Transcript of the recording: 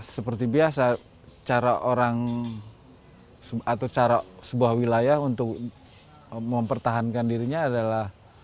seperti biasa cara orang atau cara sebuah wilayah untuk mempertahankan dirinya adalah